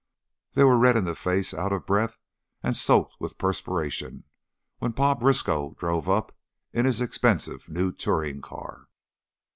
They were red in the face, out of breath, and soaked with perspiration, when Pa Briskow drove up in his expensive new touring car.